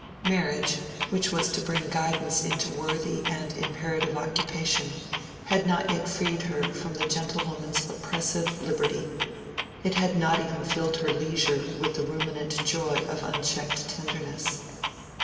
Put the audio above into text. Marriage, which was to bring guidance into worthy and imperative occupation, had not yet freed her from the gentlewoman's oppressive liberty: it had not even filled her leisure with the ruminant joy of unchecked tenderness.